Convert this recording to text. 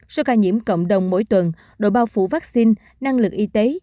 số ca nhiễm cộng đồng mỗi tuần độ bao phủ vaccine năng lực y tế